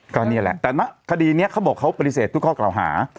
ก็นี่แหละแต่ณคดีนี้เขาบอกเขาปฏิเสธทุกข้อกล่าวหา